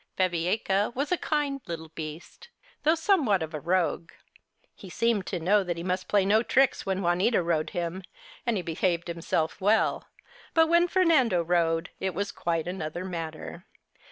Babieca was a kind little beast, though some thing of a rogue. He seemed to know that he must play no tricks when Juanita rode him, and he behaved himself well ; but when Fernando rode, it was quite another matter.